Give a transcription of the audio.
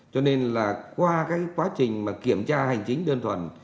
cho nên là qua cái quá trình mà kiểm tra hành chính đơn thuần